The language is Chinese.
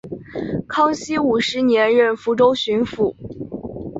康熙五十年任福建巡抚。